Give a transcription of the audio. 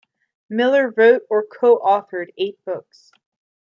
Miller wrote or co-authored eight books.